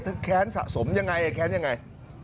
แค้นสะสมยังไงแค้นยังไง